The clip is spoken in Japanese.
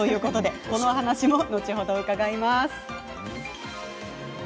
このお話も後ほど伺います。